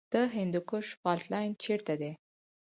د هندوکش فالټ لاین چیرته دی؟